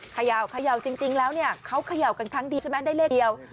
เขย่าจริงแล้วเนี่ยเขาเขย่ากันครั้งดีใช่ไหมได้เลขเดียว